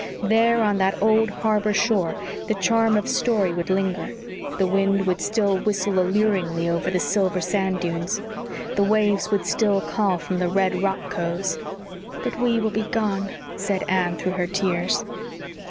There on that old harbor shore the charm of story would linger; the wind would still whistle alluringly over the silver sand dunes; the waves would still call from the red rock coves. "But we will be gone," said Anne through her tears.